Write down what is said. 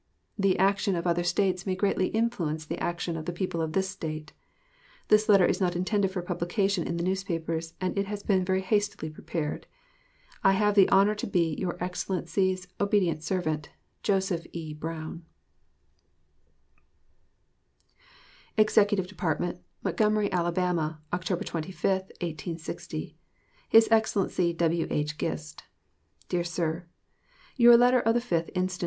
The action of other States may greatly influence the action of the people of this State. This letter is not intended for publication in the newspapers, and has been very hastily prepared. I have the honor to be your Excellency's Ob't serv't, JOSEPH E. BROWN. MS. Confederate Archives. EXECUTIVE DEPARTMENT, MONTGOMERY, ALA., October 25, 1860. His EXCELLENCY W.H. GIST. DEAR SIR: Your letter of the 5th inst.